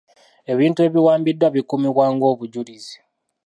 Ebinti ebiwambiddwa bikuumibwa ng'obujulizi.